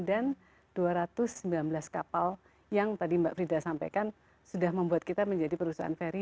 dan dua ratus sembilan belas kapal yang tadi mbak frida sampaikan sudah membuat kita menjadi perusahaan ferry